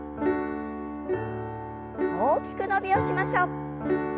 大きく伸びをしましょう。